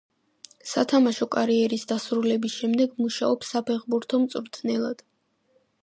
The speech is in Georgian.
სათამაშო კარიერის დასრულების შემდეგ მუშაობს საფეხბურთო მწვრთნელად.